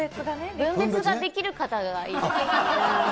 分別ができる方がいいです。